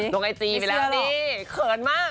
ลงไอจีไปแล้วนี่เขินมาก